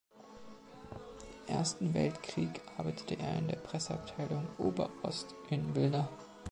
Im Ersten Weltkrieg arbeitete er in der Presseabteilung Ober Ost in Wilna.